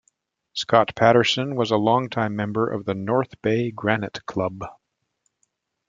Scott Patterson was a longtime member of the North Bay Granite Club.